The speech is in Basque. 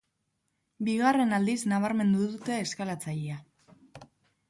Bigarren aldiz nabarmedu dute eskalatzailea.